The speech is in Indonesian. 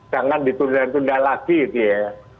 jangan ditunda tunda lagi gitu ya